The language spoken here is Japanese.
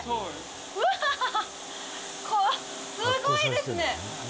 うわっ、すごいですね。